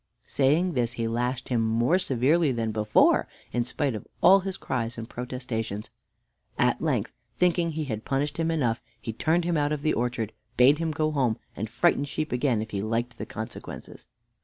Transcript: Saying this he lashed him more severely than before, in spite of all his cries and protestations. At length, thinking he had punished him enough, he turned him out of the orchard, bade him go home, and frighten sheep again if he liked the consequences.